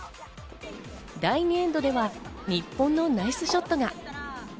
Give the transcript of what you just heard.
第２エンドでは日本のナイスショットが。